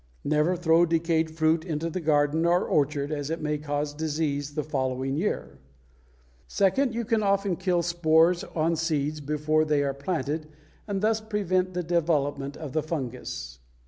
Never throw decayed fruit into the garden or orchard, as it may cause disease the following year. Second, you can often kill spores on seeds before they are planted and thus prevent the development of the fungus (see pp.